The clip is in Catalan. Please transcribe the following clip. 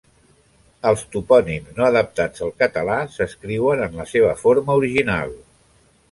Els topònims no adaptats al català s'escriuen en la seva forma original.